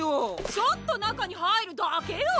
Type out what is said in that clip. ちょっとなかにはいるだけよ！